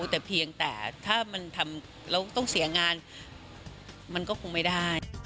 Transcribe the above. แต่เพียงแต่ถ้ามันทำแล้วต้องเสียงานมันก็คงไม่ได้